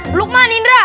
beluk mah nindra